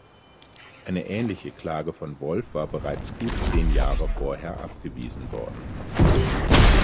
Eine ähnliche Klage von Wolff war bereits gut zehn Jahre vorher abgewiesen worden.